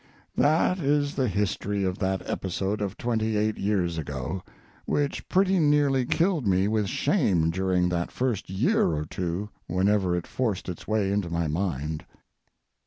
That is the history of that episode of twenty eight years ago, which pretty nearly killed me with shame during that first year or two whenever it forced its way into my mind.